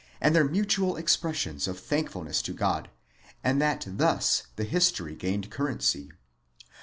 151 their mutual expressions of thankfulness to God, and that thus the history gained currency.